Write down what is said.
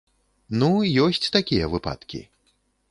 Ну, ёсць такія выпадкі.